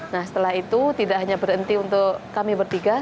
nah setelah itu tidak hanya berhenti untuk kami bertiga